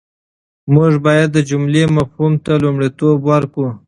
موږ بايد د جملې مفهوم ته لومړیتوب ورکړو.